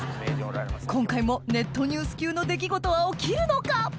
今回もネットニュース級の出来事は起きるのか⁉